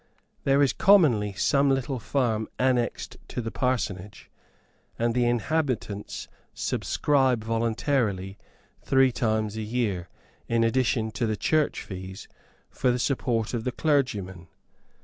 There is commonly some little farm annexed to the parsonage, and the inhabitants subscribe voluntarily, three times a year, in addition to the church fees, for the support of the clergyman.